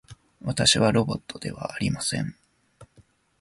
私はロボットではありません